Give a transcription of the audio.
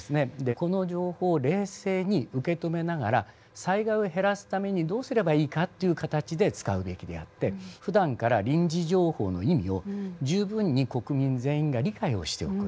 この情報を冷静に受け止めながら災害を減らすためにどうすればいいかっていう形で使うべきであってふだんから臨時情報の意味を十分に国民全員が理解をしておく事。